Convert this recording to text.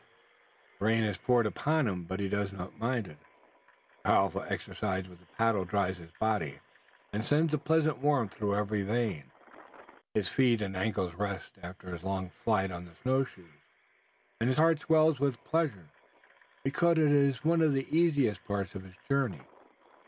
The rain has poured upon him, but he does not mind it. The powerful exercise with the paddles dries his body, and sends the pleasant warmth through every vein. His feet and ankles rest, after his long flight on the snow shoes, and his heart swells with pleasure, because it is one of the easiest parts of his journey.